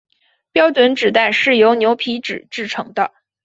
标准纸袋是由牛皮纸制成的。